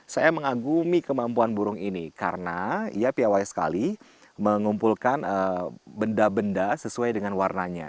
saya mengagumi kemampuan burung ini karena ia piawai sekali mengumpulkan benda benda sesuai dengan warnanya